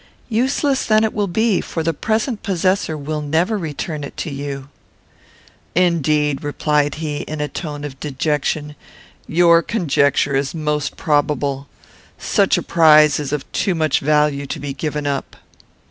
"Useless then it will be, for the present possessor will never return it to you." "Indeed," replied he, in a tone of dejection, "your conjecture is most probable. Such a prize is of too much value to be given up."